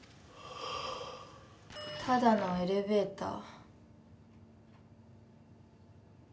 ただのエレベーター。